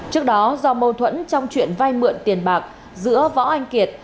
trước đó do mâu thuẫn trong chuyện vay mượn tiền bạc giữa võ anh kiệt